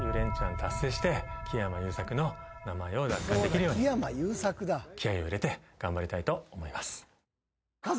木山裕策の名前を奪還できるように気合を入れて頑張りたいと思います。